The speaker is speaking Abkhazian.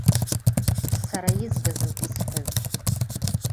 Сара избазоуп исҳәаз.